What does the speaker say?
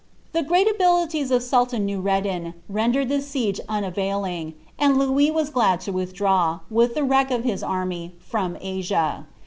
The great abilities of Sultan Noureddin rendered ihie siege auviit ing, and Louis was glad to withdraw, with the wreck of his army, fmn Asia.